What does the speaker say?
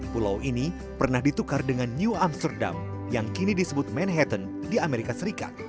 pulau ini pernah ditukar dengan new amsterdam yang kini disebut manhattan di amerika serikat